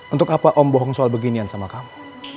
untuk apa om bohong soal beginian sama kamu